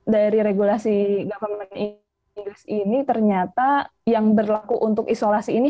dari regulasi government inggris ini ternyata yang berlaku untuk isolasi ini